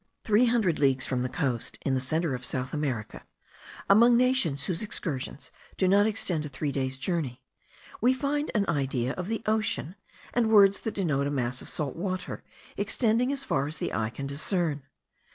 Three hundred leagues from the coast, in the centre of South America, among nations whose excursions do not extend to three days' journey, we find an idea of the ocean, and words that denote a mass of salt water extending as far as the eye can discern.